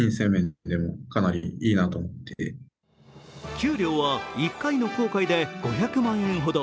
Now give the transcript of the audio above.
給料は１回の航海で５００万円ほど。